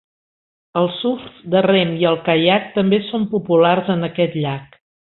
El surf de rem i el caiac també són populars en aquest llac.